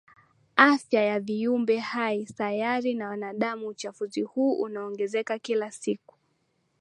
afya ya viumbe hai sayari na wanadamu Uchafuzi huu unaongezeka kila siku